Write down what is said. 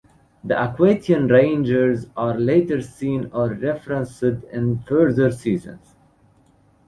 The Aquitian Rangers are later seen or referenced in further seasons.